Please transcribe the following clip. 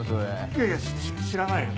いやいやし知らないよ